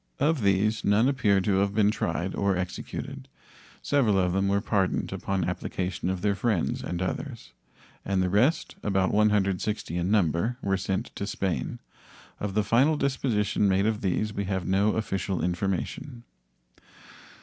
Of these none appear to have been tried or executed. Several of them were pardoned upon application of their friends and others, and the rest, about 160 in number, were sent to Spain. Of the final disposition made of these we have no official information.